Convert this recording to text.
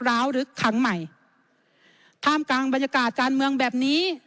ร้าวลึกครั้งใหม่ท่ามกลางบรรยากาศการเมืองแบบนี้